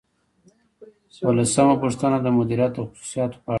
اوولسمه پوښتنه د مدیریت د خصوصیاتو په اړه ده.